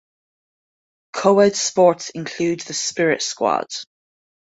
Co-ed sports include the spirit squad.